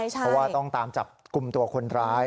เพราะว่าต้องตามจับกลุ่มตัวคนร้าย